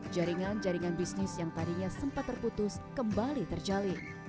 jaringan jaringan bisnis yang tadinya sempat terputus kembali terjalin